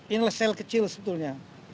ini sel kecil sebetulnya